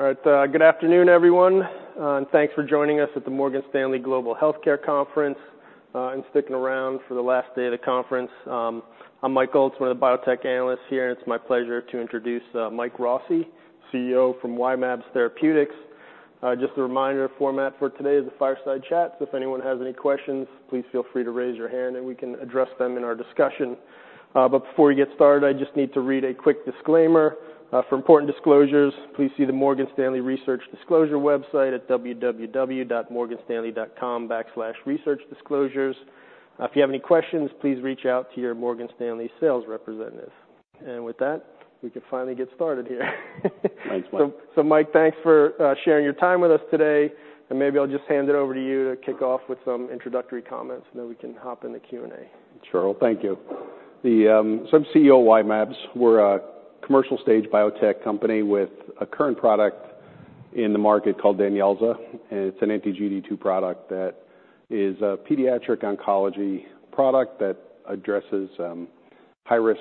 All right, good afternoon, everyone, and thanks for joining us at the Morgan Stanley Global Healthcare Conference, and sticking around for the last day of the conference. I'm Mike Schultz, one of the biotech analysts here, and it's my pleasure to introduce, Mike Rossi, CEO from Y-mAbs Therapeutics. Just a reminder, format for today is a fireside chat, so if anyone has any questions, please feel free to raise your hand, and we can address them in our discussion. But before we get started, I just need to read a quick disclaimer. "For important disclosures, please see the Morgan Stanley Research Disclosure website at www.morganstanley.com/researchdisclosures. If you have any questions, please reach out to your Morgan Stanley sales representative." And with that, we can finally get started here. Thanks, Mike. So, Mike, thanks for sharing your time with us today. And maybe I'll just hand it over to you to kick off with some introductory comments, and then we can hop in the Q&A. Sure. Well, thank you. So I'm CEO of Y-mAbs. We're a commercial-stage biotech company with a current product in the market called DANYELZA, and it's an anti-GD2 product that is a pediatric oncology product that addresses high-risk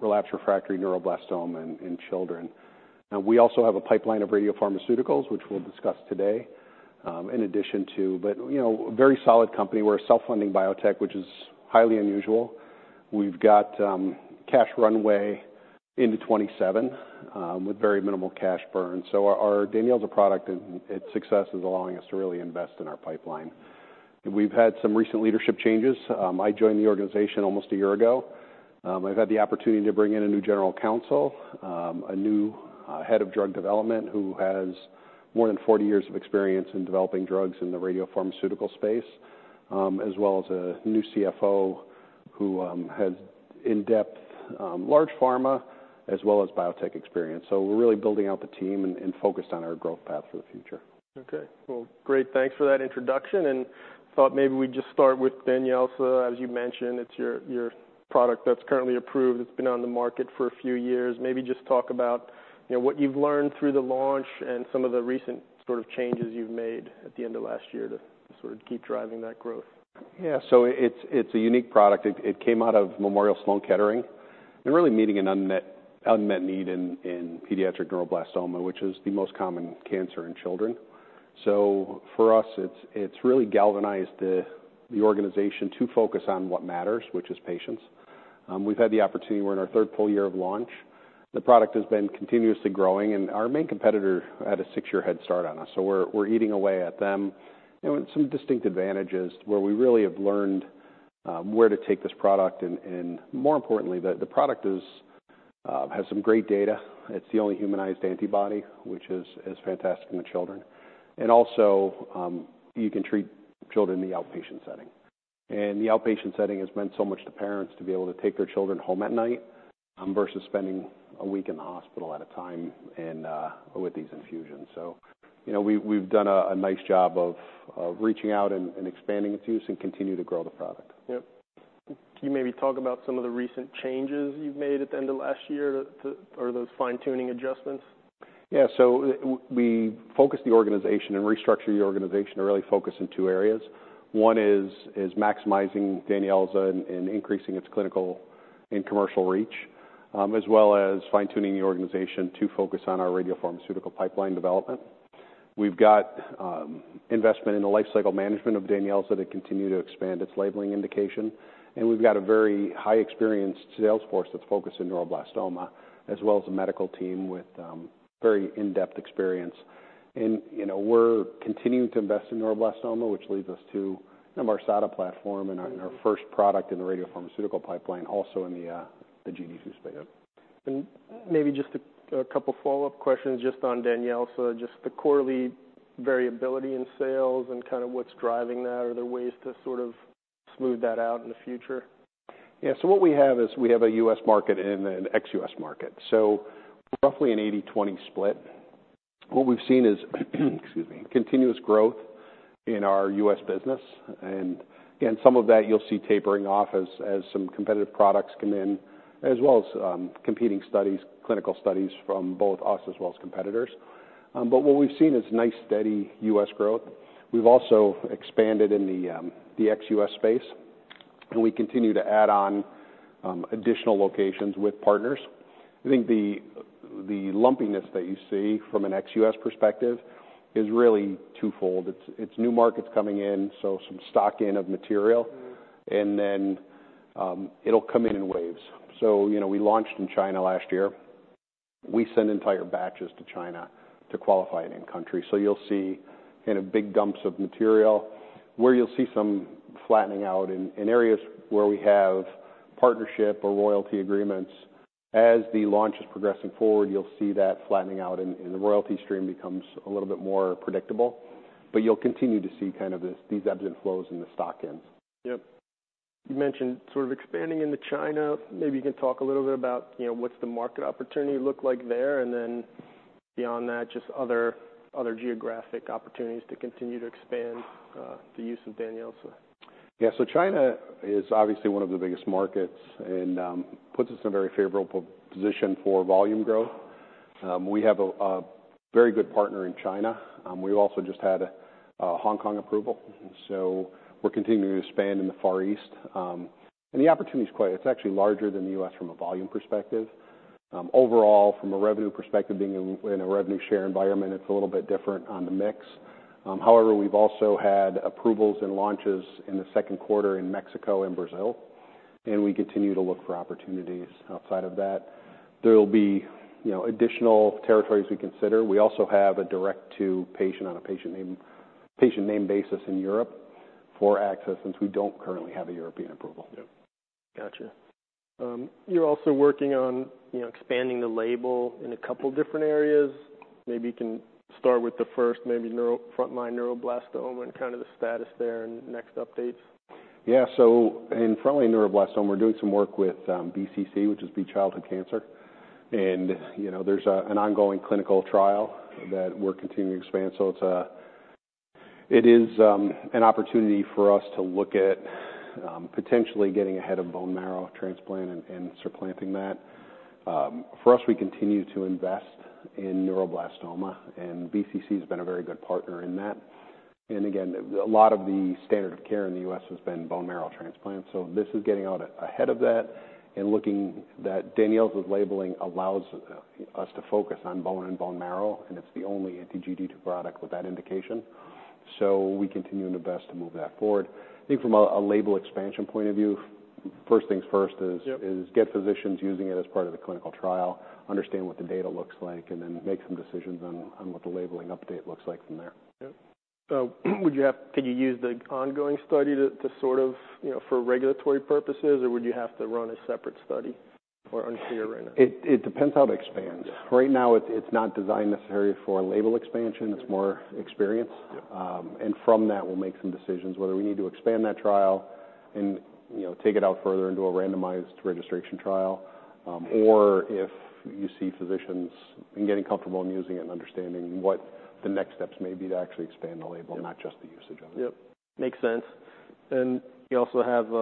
relapsed refractory neuroblastoma in children. Now, we also have a pipeline of radiopharmaceuticals, which we'll discuss today, in addition to... But, you know, a very solid company. We're a self-funding biotech, which is highly unusual. We've got cash runway into 2027 with very minimal cash burn. So our DANYELZA product and its success is allowing us to really invest in our pipeline. And we've had some recent leadership changes. I joined the organization almost a year ago. I've had the opportunity to bring in a new general counsel, a new head of drug development, who has more than forty years of experience in developing drugs in the radiopharmaceutical space, as well as a new CFO, who has in-depth large pharma, as well as biotech experience, so we're really building out the team and focused on our growth path for the future. Okay. Well, great, thanks for that introduction, and thought maybe we'd just start with DANYELZA. As you mentioned, it's your, your product that's currently approved, it's been on the market for a few years. Maybe just talk about, you know, what you've learned through the launch and some of the recent sort of changes you've made at the end of last year to sort of keep driving that growth. Yeah, so it's a unique product. It came out of Memorial Sloan Kettering, and really meeting an unmet need in pediatric neuroblastoma, which is the most common cancer in children. So for us, it's really galvanized the organization to focus on what matters, which is patients. We've had the opportunity. We're in our third full year of launch. The product has been continuously growing, and our main competitor had a six-year head start on us, so we're eating away at them and with some distinct advantages, where we really have learned where to take this product. And more importantly, the product has some great data. It's the only humanized antibody, which is fantastic in children. And also, you can treat children in the outpatient setting. And the outpatient setting has meant so much to parents to be able to take their children home at night versus spending a week in the hospital at a time and with these infusions. So you know, we we've done a nice job of reaching out and expanding its use and continue to grow the product. Yep. Can you maybe talk about some of the recent changes you've made at the end of last year to... Or those fine-tuning adjustments? Yeah. So we focused the organization and restructured the organization to really focus in two areas. One is maximizing DANYELZA and increasing its clinical and commercial reach, as well as fine-tuning the organization to focus on our radiopharmaceutical pipeline development. We've got investment in the lifecycle management of DANYELZA to continue to expand its labeling indication, and we've got a very high experienced sales force that's focused in neuroblastoma, as well as a medical team with very in-depth experience. And, you know, we're continuing to invest in neuroblastoma, which leads us to the SADA platform and our- Mm-hmm. - our first product in the radiopharmaceutical pipeline, also in the GD2 space. Yep. And maybe just a couple follow-up questions just on DANYELZA, just the quarterly variability in sales and kind of what's driving that. Are there ways to sort of smooth that out in the future? Yeah. So what we have is we have a US market and an ex-US market, so roughly an eighty-twenty split. What we've seen is, excuse me, continuous growth in our US business. And some of that you'll see tapering off as some competitive products come in, as well as competing studies, clinical studies from both us as well as competitors. But what we've seen is nice, steady US growth. We've also expanded in the ex-US space, and we continue to add on additional locations with partners. I think the lumpiness that you see from an ex-US perspective is really twofold. It's new markets coming in, so some stocking of material- Mm-hmm... and then, it'll come in in waves. So, you know, we launched in China last year. We send entire batches to China to qualify it in country. So you'll see kind of big dumps of material. Where you'll see some flattening out in areas where we have partnership or royalty agreements, as the launch is progressing forward, you'll see that flattening out, and the royalty stream becomes a little bit more predictable. But you'll continue to see kind of this, these ebbs and flows in the stock-ins. Yep. You mentioned sort of expanding into China. Maybe you can talk a little bit about, you know, what's the market opportunity look like there, and then beyond that, just other geographic opportunities to continue to expand the use of DANYELZA. Yeah, so China is obviously one of the biggest markets and puts us in a very favorable position for volume growth. We have a very good partner in China. We've also just had a Hong Kong approval. So we're continuing to expand in the Far East. And the opportunity is quite. It's actually larger than the US from a volume perspective. Overall, from a revenue perspective, being in a revenue share environment, it's a little bit different on the mix. However, we've also had approvals and launches in the second quarter in Mexico and Brazil, and we continue to look for opportunities outside of that. There will be, you know, additional territories we consider. We also have direct-to-patient on a named-patient basis in Europe for access, since we don't currently have a European approval. Yep. Got you. You're also working on, you know, expanding the label in a couple different areas. Maybe you can start with the first, maybe front line neuroblastoma and kind of the status there and next updates. Yeah. So in front line neuroblastoma, we're doing some work with BCC, which is Beat Childhood Cancer. And, you know, there's an ongoing clinical trial that we're continuing to expand. So it's an opportunity for us to look at potentially getting ahead of bone marrow transplant and supplanting that. For us, we continue to invest in neuroblastoma, and BCC has been a very good partner in that. And again, a lot of the standard of care in the U.S. has been bone marrow transplant, so this is getting out ahead of that and looking that DANYELZA's labeling allows us to focus on bone and bone marrow, and it's the only anti-GD2 product with that indication. So we continue to invest to move that forward. I think from a label expansion point of view, first things first is- Yep is to get physicians using it as part of the clinical trial, understand what the data looks like, and then make some decisions on what the labeling update looks like from there. Yep. So can you use the ongoing study to sort of, you know, for regulatory purposes, or would you have to run a separate study, or unclear right now? It depends how it expands. Yeah. Right now, it's not designed necessarily for label expansion. It's more experience. Yep. And from that, we'll make some decisions whether we need to expand that trial and, you know, take it out further into a randomized registration trial, or if you see physicians getting comfortable in using it and understanding what the next steps may be to actually expand the label- Yep - not just the usage of it. Yep, makes sense, and you also have,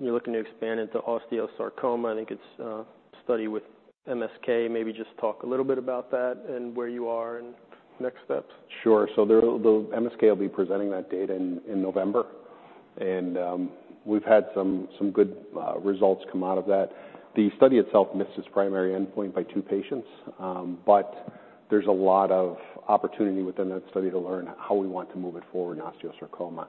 you're looking to expand into osteosarcoma. I think it's a study with MSK. Maybe just talk a little bit about that and where you are and next steps. Sure. So the MSK will be presenting that data in November, and we've had some good results come out of that. The study itself missed its primary endpoint by two patients, but there's a lot of opportunity within that study to learn how we want to move it forward in osteosarcoma.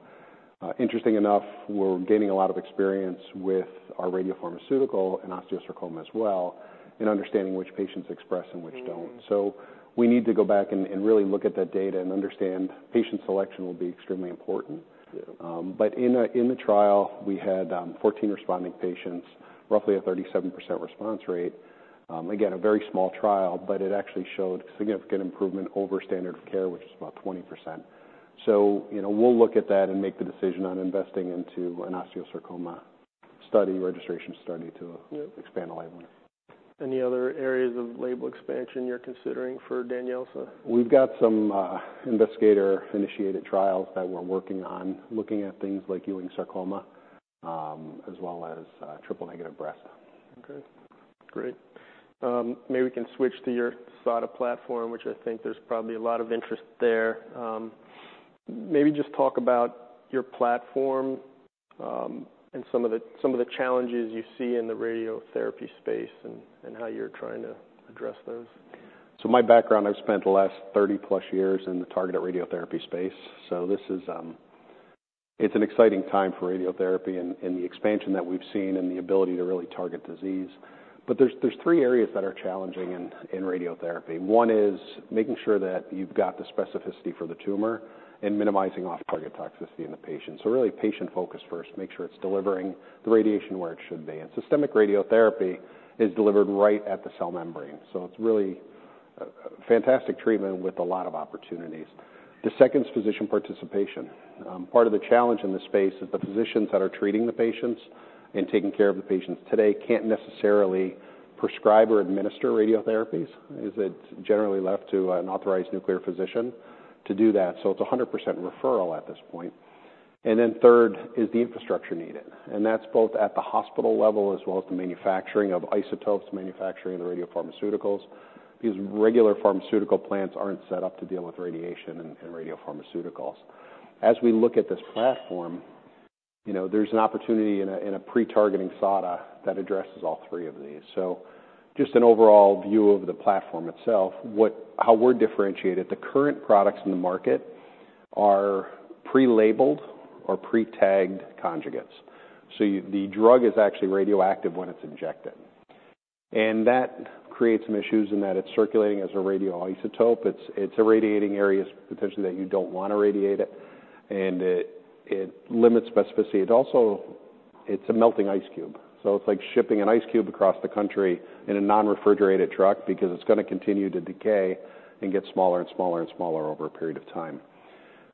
Interesting enough, we're gaining a lot of experience with our radiopharmaceutical and osteosarcoma as well, and understanding which patients express and which don't. Mm-hmm. We need to go back and really look at that data and understand patient selection will be extremely important. Yeah. But in the trial, we had 14 responding patients, roughly a 37% response rate. Again, a very small trial, but it actually showed significant improvement over standard of care, which is about 20%. So, you know, we'll look at that and make the decision on investing into an osteosarcoma study, registration study to- Yeah - Expand the labeling. Any other areas of label expansion you're considering for DANYELZA? We've got some investigator-initiated trials that we're working on, looking at things like Ewing sarcoma, as well as triple-negative breast. Okay, great. Maybe we can switch to your SADA platform, which I think there's probably a lot of interest there. Maybe just talk about your platform, and some of the challenges you see in the radiotherapy space and how you're trying to address those. So my background, I've spent the last 30-plus years in the targeted radiotherapy space. So this is an exciting time for radiotherapy and the expansion that we've seen and the ability to really target disease. But there's three areas that are challenging in radiotherapy. One is making sure that you've got the specificity for the tumor and minimizing off-target toxicity in the patient. So really, patient focus first, make sure it's delivering the radiation where it should be. And systemic radiotherapy is delivered right at the cell membrane, so it's really a fantastic treatment with a lot of opportunities. The second is physician participation. Part of the challenge in this space is the physicians that are treating the patients and taking care of the patients today can't necessarily prescribe or administer radiotherapies, as it's generally left to an authorized nuclear physician to do that. So it's 100% referral at this point, and then third is the infrastructure needed, and that's both at the hospital level as well as the manufacturing of isotopes, manufacturing the radiopharmaceuticals, because regular pharmaceutical plants aren't set up to deal with radiation and radiopharmaceuticals. As we look at this platform, you know, there's an opportunity in a pre-targeting SADA that addresses all three of these. So just an overall view of the platform itself, how we're differentiated. The current products in the market are prelabeled or pre-tagged conjugates. So the drug is actually radioactive when it's injected. That creates some issues in that it's circulating as a radioisotope. It's, it's irradiating areas potentially that you don't want to irradiate it, and it, it limits specificity. It also, it's a melting ice cube, so it's like shipping an ice cube across the country in a non-refrigerated truck because it's gonna continue to decay and get smaller and smaller and smaller over a period of time.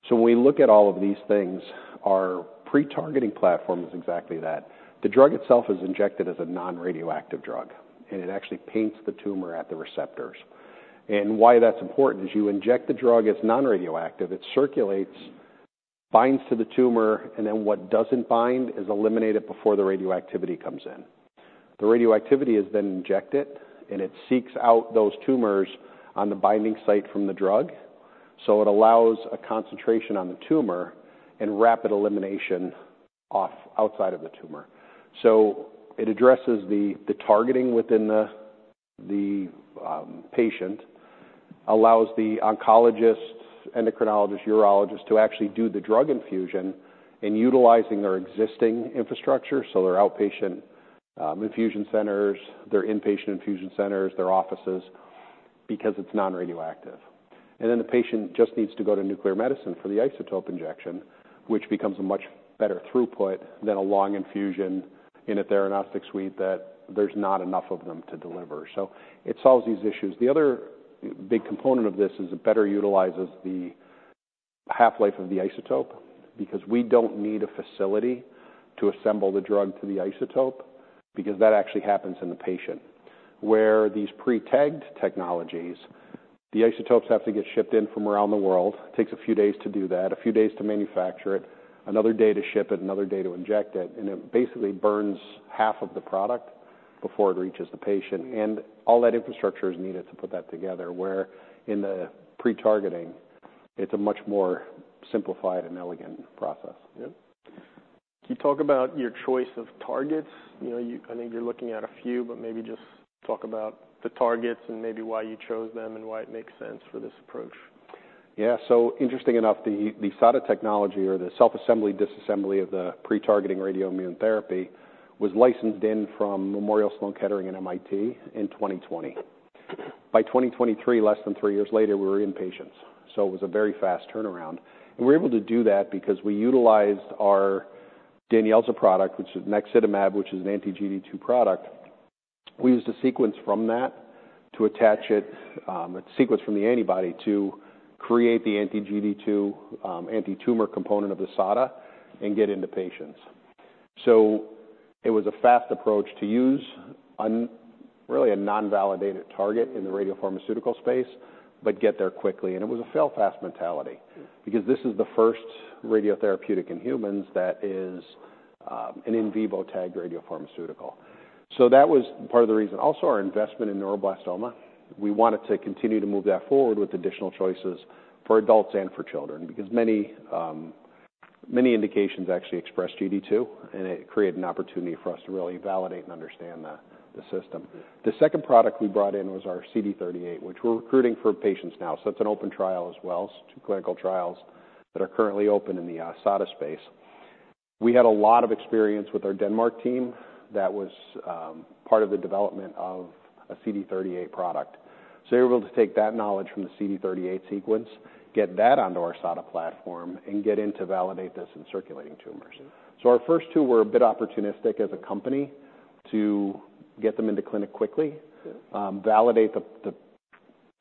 When we look at all of these things, our pre-targeting platform is exactly that. The drug itself is injected as a non-radioactive drug, and it actually paints the tumor at the receptors. Why that's important is you inject the drug, it's non-radioactive, it circulates, binds to the tumor, and then what doesn't bind is eliminated before the radioactivity comes in.... The radioactivity is then injected, and it seeks out those tumors on the binding site from the drug. So it allows a concentration on the tumor and rapid elimination from outside of the tumor. So it addresses the targeting within the patient, allows the oncologists, endocrinologists, urologists, to actually do the drug infusion by utilizing their existing infrastructure, so their outpatient infusion centers, their inpatient infusion centers, their offices, because it's non-radioactive. And then the patient just needs to go to nuclear medicine for the isotope injection, which becomes a much better throughput than a long infusion in a theranostics suite that there's not enough of them to deliver. So it solves these issues. The other big component of this is it better utilizes the half-life of the isotope, because we don't need a facility to assemble the drug to the isotope, because that actually happens in the patient. Where these pre-targeted technologies, the isotopes have to get shipped in from around the world. Takes a few days to do that, a few days to manufacture it, another day to ship it, another day to inject it, and it basically burns half of the product before it reaches the patient, and all that infrastructure is needed to put that together, where in the pre-targeting, it's a much more simplified and elegant process. Yep. Can you talk about your choice of targets? You know, I think you're looking at a few, but maybe just talk about the targets and maybe why you chose them and why it makes sense for this approach? Yeah. So interesting enough, the SADA technology or the self-assembly and disassembly of the pre-targeting radioimmunotherapy was licensed in from Memorial Sloan Kettering and MIT in 2020. By 2023, less than three years later, we were in patients, so it was a very fast turnaround. And we were able to do that because we utilized our DANYELZA product, which is naxitamab, which is an anti-GD2 product. We used a sequence from that to attach it, a sequence from the antibody to create the anti-GD2 anti-tumor component of the SADA and get into patients. So it was a fast approach to use on really a non-validated target in the radiopharmaceutical space, but get there quickly, and it was a fail-fast mentality. Mm. Because this is the first radiotherapeutic in humans that is an in vivo-tagged radiopharmaceutical. So that was part of the reason. Also, our investment in neuroblastoma, we wanted to continue to move that forward with additional choices for adults and for children, because many indications actually express GD2, and it created an opportunity for us to really validate and understand the system. Mm. The second product we brought in was our CD38, which we're recruiting for patients now, so that's an open trial as well, so two clinical trials that are currently open in the SADA space. We had a lot of experience with our Denmark team that was part of the development of a CD38 product, so we were able to take that knowledge from the CD38 sequence, get that onto our SADA platform, and get in to validate this in circulating tumors. Mm. Our first two were a bit opportunistic as a company to get them into clinic quickly. Yeah. Validate the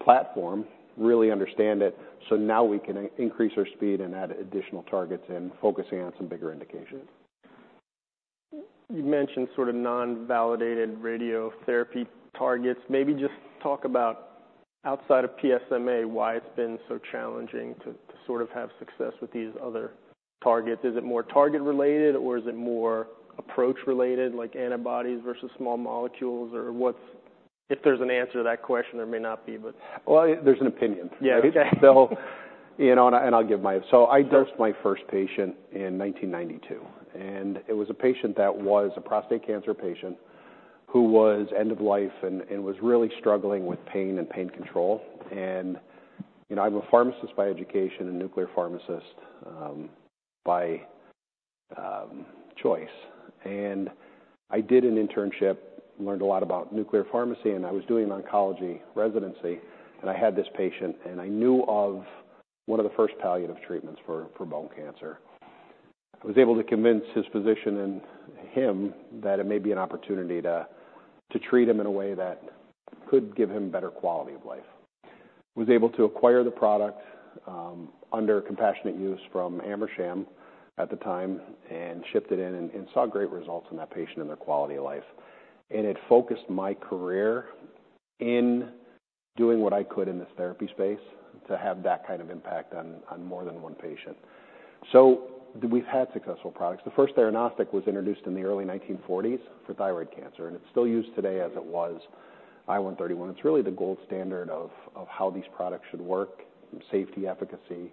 platform, really understand it, so now we can increase our speed and add additional targets and focusing on some bigger indications. You mentioned sort of non-validated radiotherapy targets. Maybe just talk about, outside of PSMA, why it's been so challenging to sort of have success with these other targets. Is it more target related, or is it more approach related, like antibodies versus small molecules, or what's... If there's an answer to that question, there may not be, but. There's an opinion. Yeah. Okay. So, you know, and I'll give mine. Sure. So I dosed my first patient in 1992, and it was a patient that was a prostate cancer patient, who was end of life and was really struggling with pain and pain control. You know, I'm a pharmacist by education, a nuclear pharmacist by choice. I did an internship, learned a lot about nuclear pharmacy, and I was doing an oncology residency, and I had this patient, and I knew of one of the first palliative treatments for bone cancer. I was able to convince his physician and him that it may be an opportunity to treat him in a way that could give him better quality of life. Was able to acquire the product under compassionate use from Amersham at the time, and shipped it in and saw great results in that patient and their quality of life. It focused my career in doing what I could in this therapy space to have that kind of impact on more than one patient. We've had successful products. The first theranostic was introduced in the early 1940s for thyroid cancer, and it's still used today as it was, I-131. It's really the gold standard of how these products should work, safety, efficacy.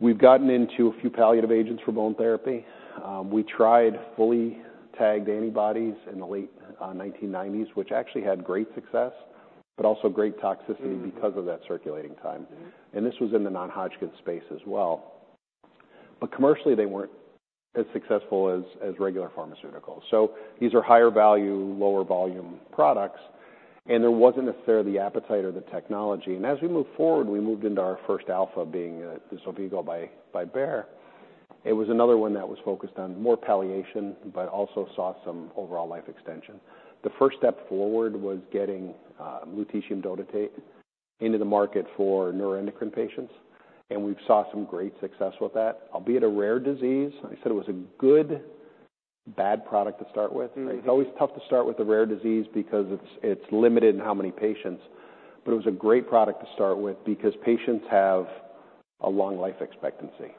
We've gotten into a few palliative agents for bone therapy. We tried fully tagged antibodies in the late 1990s, which actually had great success, but also great toxicity. Mm... because of that circulating time. Mm-hmm. And this was in the non-Hodgkin's space as well. But commercially, they weren't as successful as regular pharmaceuticals. So these are higher value, lower volume products, and there wasn't necessarily the appetite or the technology. And as we moved forward, we moved into our first alpha being the Xofigo by Bayer. It was another one that was focused on more palliation, but also saw some overall life extension. The first step forward was getting lutetium dotatate into the market for neuroendocrine patients, and we saw some great success with that. Albeit a rare disease, I said it was a good, bad product to start with. Mm-hmm. It's always tough to start with a rare disease because it's limited in how many patients, but it was a great product to start with because patients have a long life expectancy,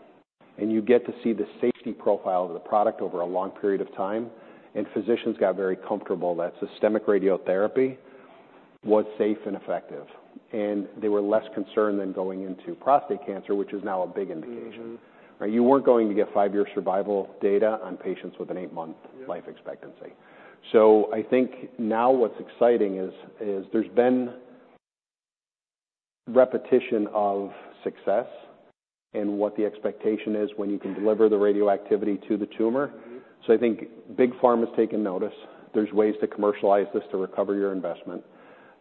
and you get to see the safety profile of the product over a long period of time, and physicians got very comfortable that systemic radiotherapy was safe and effective, and they were less concerned than going into prostate cancer, which is now a big indication. Mm-hmm. Right? You weren't going to get five-year survival data on patients with an eight-month- Yeah Life expectancy. So I think now what's exciting is there's been repetition of success and what the expectation is when you can deliver the radioactivity to the tumor. Mm-hmm. So I think big pharma's taking notice. There's ways to commercialize this to recover your investment,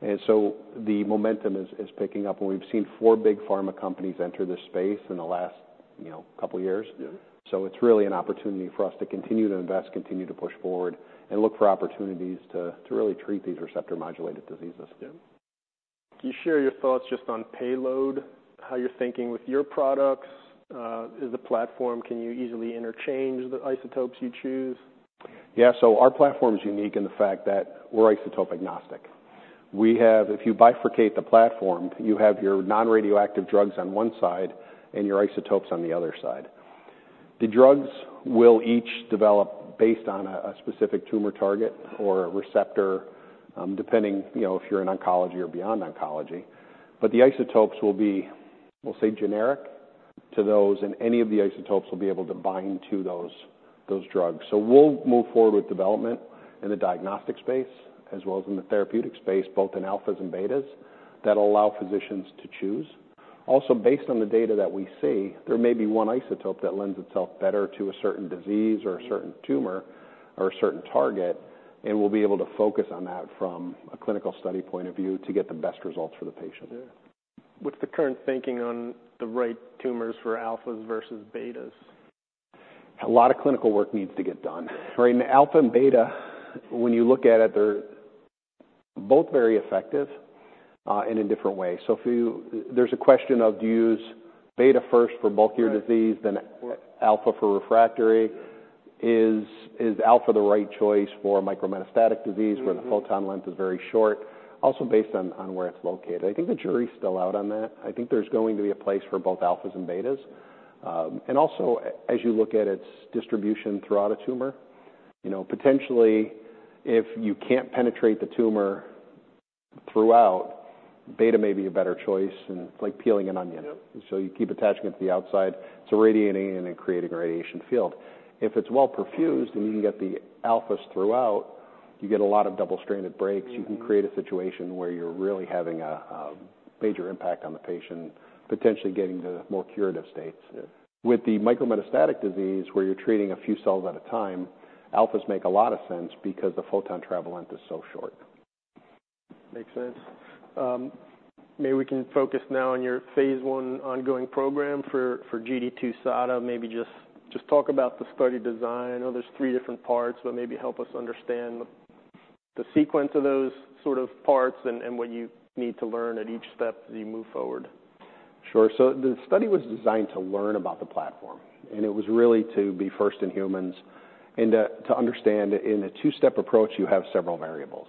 and so the momentum is picking up, and we've seen four big pharma companies enter this space in the last, you know, couple years. Yeah. It's really an opportunity for us to continue to invest, continue to push forward, and look for opportunities to really treat these receptor-modulated diseases. Yeah. Can you share your thoughts just on payload, how you're thinking with your products? Can you easily interchange the isotopes you choose? Yeah, so our platform is unique in the fact that we're isotope agnostic. We have. If you bifurcate the platform, you have your non-radioactive drugs on one side and your isotopes on the other side. The drugs will each develop based on a specific tumor target or a receptor, depending, you know, if you're in oncology or beyond oncology. But the isotopes will be, we'll say, generic to those, and any of the isotopes will be able to bind to those drugs. So we'll move forward with development in the diagnostic space as well as in the therapeutic space, both in alphas and betas, that will allow physicians to choose. Also, based on the data that we see, there may be one isotope that lends itself better to a certain disease or a certain tumor or a certain target, and we'll be able to focus on that from a clinical study point of view to get the best results for the patient. Yeah. What's the current thinking on the right tumors for alphas versus betas? A lot of clinical work needs to get done. Right, in alpha and beta, when you look at it, they're both very effective, and in different ways. So if you, there's a question of, do you use beta first for bulkier- Right - disease, then alpha for refractory? Is alpha the right choice for micrometastatic disease- Mm-hmm - where the path length is very short? Also, based on where it's located. I think the jury's still out on that. I think there's going to be a place for both alphas and betas. And also, as you look at its distribution throughout a tumor, you know, potentially, if you can't penetrate the tumor throughout, beta may be a better choice, and it's like peeling an onion. Yeah. So you keep attaching it to the outside, it's radiating and then creating a radiation field. If it's well perfused, and you can get the alphas throughout, you get a lot of double stranded breaks. Mm-hmm. You can create a situation where you're really having a major impact on the patient, potentially getting to more curative states. Yeah. With the micrometastatic disease, where you're treating a few cells at a time, alphas make a lot of sense because the path length is so short. Makes sense. Maybe we can focus now on your phase 1 ongoing program for GD2 SADA. Maybe just talk about the study design. I know there's three different parts, but maybe help us understand the sequence of those sort of parts and what you need to learn at each step as you move forward. Sure. So the study was designed to learn about the platform, and it was really to be first-in-humans, and to understand in a two-step approach, you have several variables.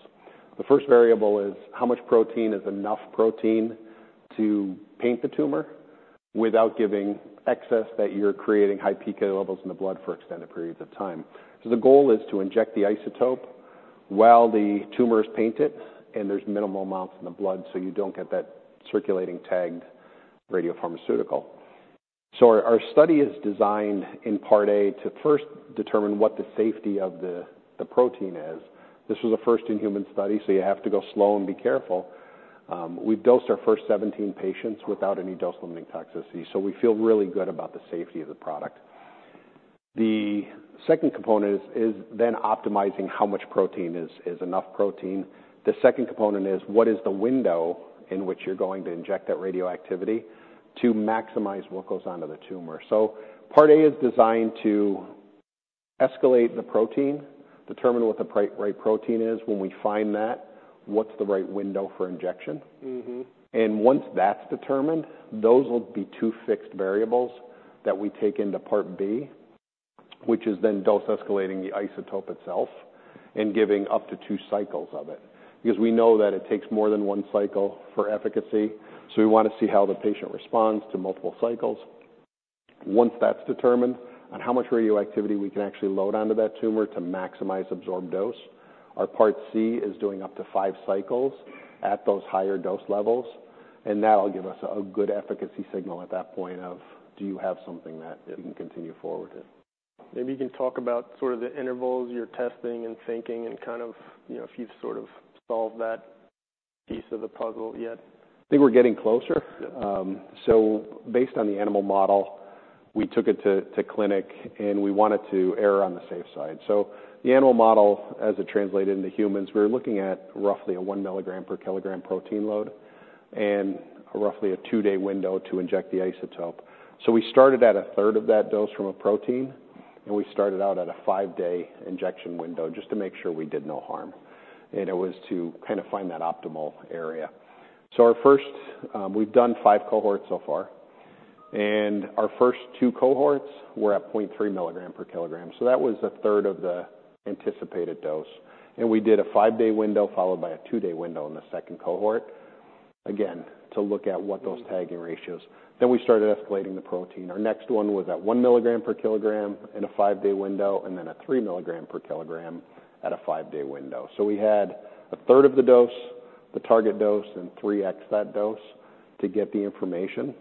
The first variable is how much protein is enough protein to paint the tumor without giving excess that you're creating high peak levels in the blood for extended periods of time? So the goal is to inject the isotope while the tumor is painted, and there's minimal amounts in the blood, so you don't get that circulating tagged radiopharmaceutical. So our study is designed in Part A, to first determine what the safety of the protein is. This was a first-in-human study, so you have to go slow and be careful. We've dosed our first 17 patients without any dose limiting toxicity, so we feel really good about the safety of the product. The second component is then optimizing how much protein is enough protein. The second component is, what is the window in which you're going to inject that radioactivity to maximize what goes on to the tumor? Part A is designed to escalate the protein, determine what the right protein is. When we find that, what's the right window for injection? Mm-hmm. And once that's determined, those will be two fixed variables that we take into Part B, which is then dose escalating the isotope itself and giving up to two cycles of it, because we know that it takes more than one cycle for efficacy, so we want to see how the patient responds to multiple cycles. Once that's determined, on how much radioactivity we can actually load onto that tumor to maximize absorbed dose, our Part C is doing up to five cycles at those higher dose levels, and that'll give us a good efficacy signal at that point of, Do you have something that you can continue forward with? Maybe you can talk about sort of the intervals you're testing and thinking, and kind of, you know, if you've sort of solved that piece of the puzzle yet? I think we're getting closer. Yeah. So based on the animal model, we took it to clinic, and we wanted to err on the safe side. So the animal model, as it translated into humans, we're looking at roughly a one milligram per kilogram protein load and roughly a two-day window to inject the isotope. So we started at a third of that dose from a protein, and we started out at a five-day injection window just to make sure we did no harm, and it was to kind of find that optimal area. So our first. We've done five cohorts so far, and our first two cohorts were at 0.3 milligram per kilogram, so that was a third of the anticipated dose. And we did a five-day window, followed by a two-day window in the second cohort, again to look at what those tagging ratios. Then we started escalating the protein. Our next one was at one milligram per kilogram in a five-day window, and then a three milligram per kilogram at a five-day window, so we had a third of the dose, the target dose, and three x that dose to get the information,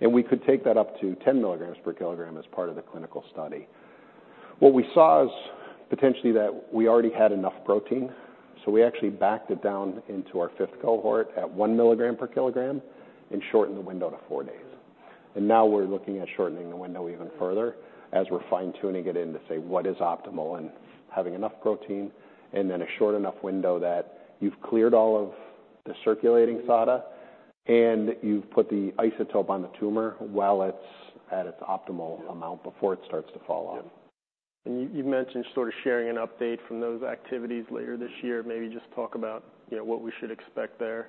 and we could take that up to ten milligrams per kilogram as part of the clinical study. What we saw is potentially that we already had enough protein, so we actually backed it down into our fifth cohort at one milligram per kilogram and shortened the window to four days. Now we're looking at shortening the window even further as we're fine-tuning it in to say what is optimal and having enough protein, and then a short enough window that you've cleared all of the circulating SADA, and you've put the isotope on the tumor while it's at its optimal amount before it starts to fall off. Yep. And you've mentioned sort of sharing an update from those activities later this year. Maybe just talk about, you know, what we should expect there.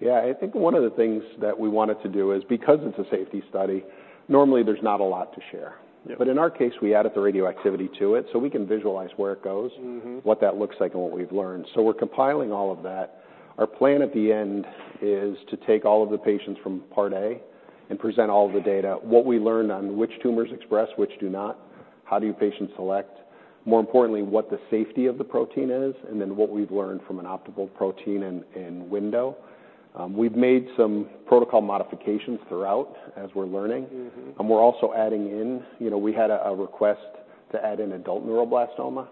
Yeah. I think one of the things that we wanted to do is, because it's a safety study, normally there's not a lot to share. Yeah. But in our case, we added the radioactivity to it, so we can visualize where it goes. Mm-hmm. What that looks like and what we've learned. So we're compiling all of that. Our plan at the end is to take all of the patients from Part A and present all of the data, what we learned on which tumors express, which do not, how do you patient select? More importantly, what the safety of the protein is, and then what we've learned from an optimal protein and window. We've made some protocol modifications throughout as we're learning. Mm-hmm. And we're also adding in. You know, we had a request to add in adult neuroblastoma,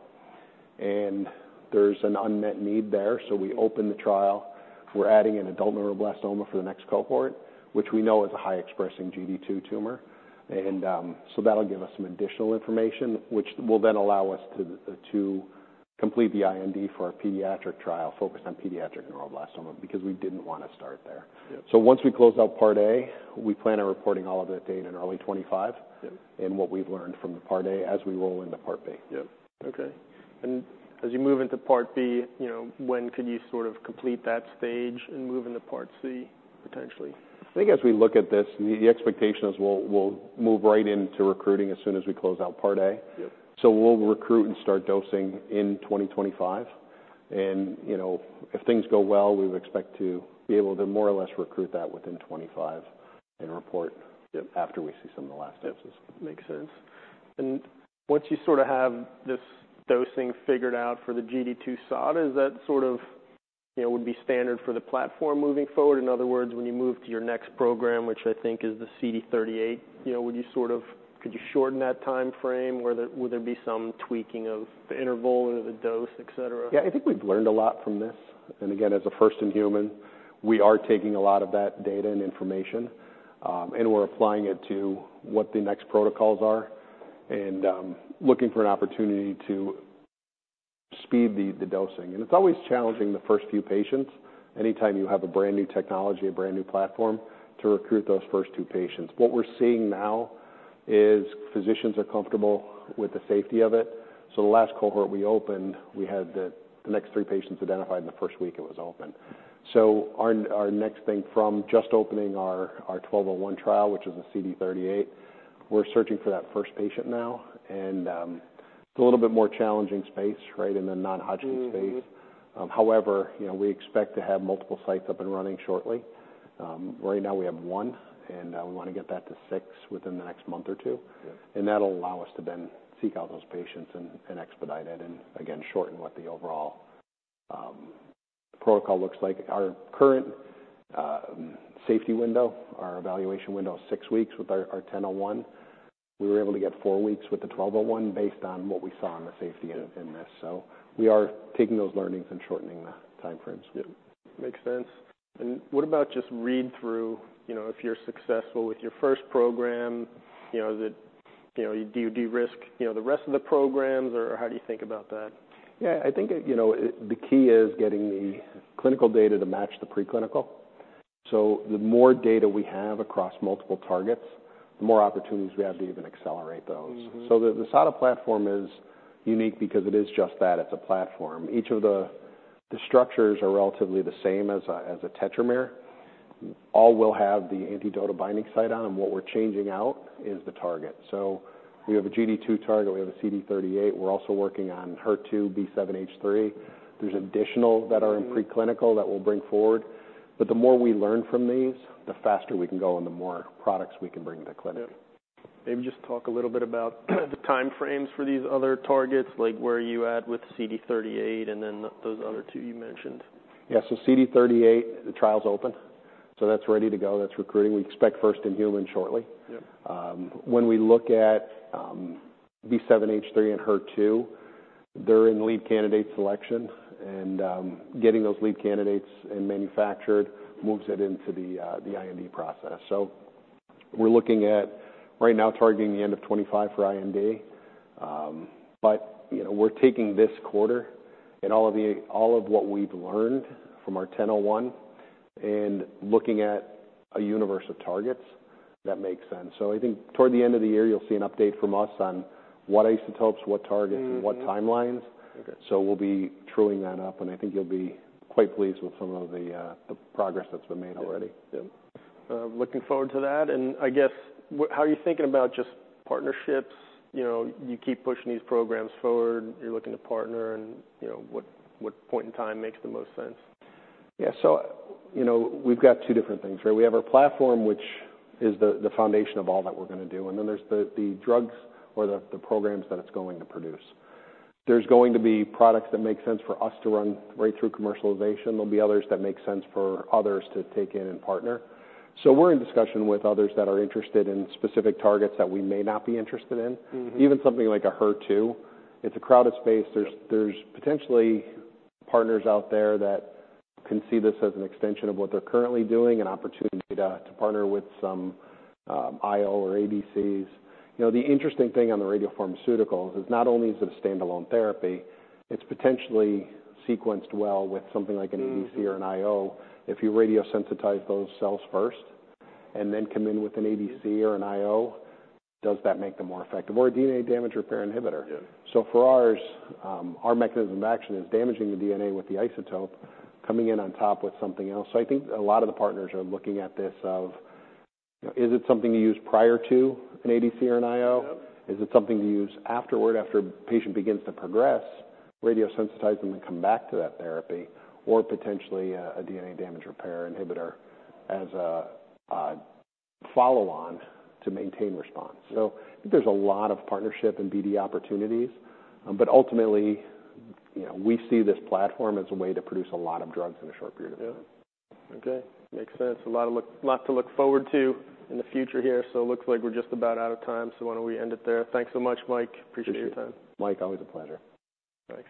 and there's an unmet need there, so we opened the trial. We're adding an adult neuroblastoma for the next cohort, which we know is a high-expressing GD2 tumor. And so that'll give us some additional information, which will then allow us to complete the IND for our pediatric trial focused on pediatric neuroblastoma, because we didn't want to start there. Yeah. Once we close out Part A, we plan on reporting all of that data in early 2025. Yeah... and what we've learned from the Part A as we roll into Part B. Yep. Okay. And as you move into Part B, you know, when could you sort of complete that stage and move into Part C, potentially? I think as we look at this, the expectation is we'll move right into recruiting as soon as we close out Part A. Yep. So we'll recruit and start dosing in 2025. And, you know, if things go well, we would expect to be able to more or less recruit that within 2025 and report- Yep after we see some of the last instances. Makes sense. Once you sort of have this dosing figured out for the GD2 SADA, is that sort of, you know, would be standard for the platform moving forward? In other words, when you move to your next program, which I think is the CD38, you know, would you sort of... Could you shorten that timeframe? Would there be some tweaking of the interval or the dose, et cetera? Yeah. I think we've learned a lot from this. And again, as a first-in-human, we are taking a lot of that data and information, and we're applying it to what the next protocols are, and looking for an opportunity to speed the dosing. And it's always challenging the first few patients, anytime you have a brand-new technology, a brand-new platform, to recruit those first two patients. What we're seeing now is physicians are comfortable with the safety of it. So the last cohort we opened, we had the next three patients identified in the first week it was open. So our next thing from just opening our 1201 trial, which is a CD38, we're searching for that first patient now. And it's a little bit more challenging space, right, in the non-Hodgkin's space. Mm-hmm. However, you know, we expect to have multiple sites up and running shortly. Right now we have one, and we want to get that to six within the next month or two. Yeah. And that'll allow us to then seek out those patients and expedite it, and again, shorten what the overall protocol looks like. Our current safety window, our evaluation window is six weeks with our 1001. We were able to get four weeks with the 1201 based on what we saw in the safety in this. So we are taking those learnings and shortening the timeframes. Yep. Makes sense. And what about just read-through? You know, if you're successful with your first program, you know, that, you know, do you de-risk, you know, the rest of the programs, or how do you think about that? Yeah. I think, you know, the key is getting the clinical data to match the preclinical. So the more data we have across multiple targets, the more opportunities we have to even accelerate those. Mm-hmm. So the SADA platform is unique because it is just that, it's a platform. Each of the structures are relatively the same as a tetramer. All will have the anti-DOTA binding site on, and what we're changing out is the target. So we have a GD2 target, we have a CD38. We're also working on HER2 B7-H3. There's additional that are- Mm-hmm... in preclinical that we'll bring forward, but the more we learn from these, the faster we can go and the more products we can bring to clinic. Yeah. Maybe just talk a little bit about the timeframes for these other targets, like where are you at with CD38 and then the, those other two you mentioned? Yeah. So CD38, the trial's open, so that's ready to go. That's recruiting. We expect first-in-human shortly. Yep. When we look at B7-H3 and HER2, they're in lead candidate selection, and getting those lead candidates and manufactured moves it into the IND process. So we're looking at right now targeting the end of 2025 for IND. But, you know, we're taking this quarter and all of what we've learned from our 1001 and looking at a universe of targets that make sense. So I think toward the end of the year, you'll see an update from us on what isotopes, what targets- Mm-hmm... and what timelines. Okay. We'll be truing that up, and I think you'll be quite pleased with some of the progress that's been made already. Yep. Yep. Looking forward to that. And I guess how are you thinking about just partnerships? You know, you keep pushing these programs forward, you're looking to partner and, you know, what point in time makes the most sense? Yeah. So, you know, we've got two different things, right? We have our platform, which is the foundation of all that we're going to do, and then there's the drugs or the programs that it's going to produce. There's going to be products that make sense for us to run right through commercialization. There'll be others that make sense for others to take in and partner. So we're in discussion with others that are interested in specific targets that we may not be interested in. Mm-hmm. Even something like a HER2, it's a crowded space. Yeah. There's potentially partners out there that can see this as an extension of what they're currently doing, an opportunity to partner with some IO or ADCs. You know, the interesting thing on the radiopharmaceuticals is not only is it a standalone therapy, it's potentially sequenced well with something like an ADC- Mm-hmm... or an IO. If you radiosensitize those cells first and then come in with an ADC or an IO, does that make them more effective? Or a DNA damage repair inhibitor. Yeah. For ours, our mechanism of action is damaging the DNA with the isotope coming in on top with something else. I think a lot of the partners are looking at this of, you know, is it something you use prior to an ADC or an IO? Yep. Is it something you use afterward, after a patient begins to progress, radiosensitize them, and come back to that therapy, or potentially, a DNA damage repair inhibitor as a follow-on to maintain response? Yeah. I think there's a lot of partnership and BD opportunities, but ultimately, you know, we see this platform as a way to produce a lot of drugs in a short period of time. Yeah. Okay, makes sense. A lot to look forward to in the future here. So looks like we're just about out of time, so why don't we end it there? Thanks so much, Mike. Appreciate your time. Mike, always a pleasure. Thanks.